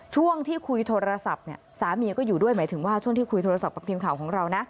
ช่วงที่คุยโทรศัพท์เนี่ยสามีก็อยู่ด้วยหมายถึงว่าช่วงที่คุยโทรศัพท์กับทีมข่าวของเรานะ